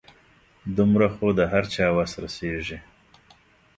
دومره خو د هر چا وس رسيږي .